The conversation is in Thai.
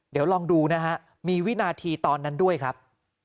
เดี๋ยวลองดูนะฮะมีวินาทีตอนนั้นด้วยครับ